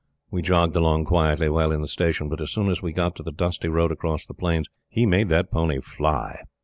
We jogged along quietly while in the station; but as soon as we got to the dusty road across the plains, he made that pony fly.